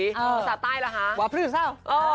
ภาษาใต้ละภาษาพรือซาว